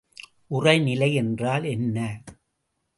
உறைநிலை என்றால் என்ன?